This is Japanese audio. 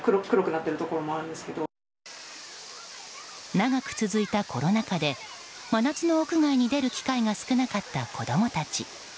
長く続いたコロナ禍で真夏の屋外に出る機会が少なかった子供たち。